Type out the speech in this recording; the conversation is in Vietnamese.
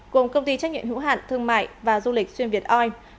gồm công ty trách nhiệm hữu hạn thương mại và du lịch xuyên việt oi